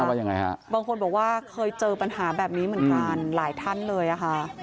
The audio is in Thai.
ว่ายังไงฮะบางคนบอกว่าเคยเจอปัญหาแบบนี้เหมือนกันหลายท่านเลยอะค่ะ